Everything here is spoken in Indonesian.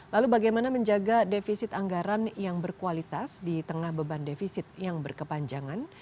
lalu bagaimana menjaga defisit anggaran yang berkualitas di tengah beban defisit yang berkepanjangan